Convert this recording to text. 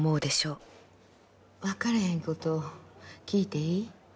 分かれへんこと聞いていい？